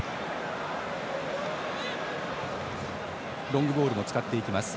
ロングボールも使っていきます。